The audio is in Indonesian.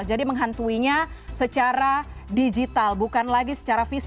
jadi menghantuinya secara digital bukan lagi secara virtual